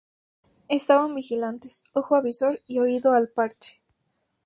Estaban vigilantes, ojo avizor y oído al parche